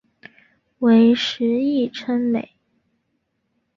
为时议称美。